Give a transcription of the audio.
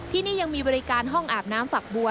ที่นี่ยังมีบริการห้องอาบน้ำฝักบัว